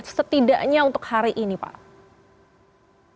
setidaknya untuk hari ini pak